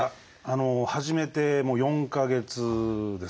始めてもう４か月ですかね。